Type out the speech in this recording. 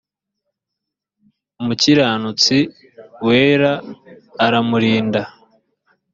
umukiranutsi wera aramurinda